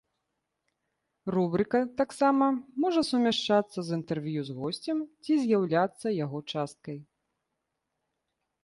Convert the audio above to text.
Рубрыка таксама можа сумяшчацца з інтэрв'ю з госцем ці з'яўляцца яго часткай.